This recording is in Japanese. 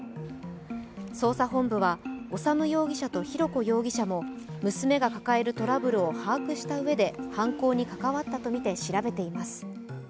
捜査本部は、修容疑者と浩子容疑者も娘が抱えるトラブルを把握したうえで犯行に関わったとみて調べています。